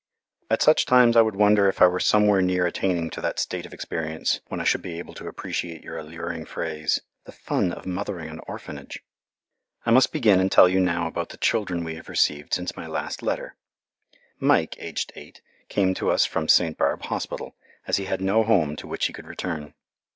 At such times I would wonder if I were somewhere near attaining to that state of experience when I should be able to appreciate your alluring phrase, "the fun of mothering an orphanage." I must begin and tell you now about the children we have received since my last letter. Mike, aged eight, came to us from St. Barbe Hospital, as he had no home to which he could return.